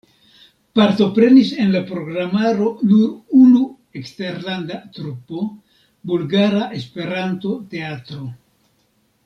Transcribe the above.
Partoprenis en la programaro nur unu eksterlanda trupo: Bulgara Esperanto-Teatro.